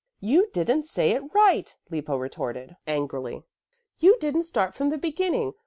"You didn't say it right," Lippo retorted angrily. "You didn't start from the beginning.